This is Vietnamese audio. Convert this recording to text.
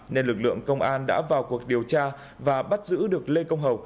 nên lực lượng công an đã vào cuộc điều tra và bắt giữ được lê công hồng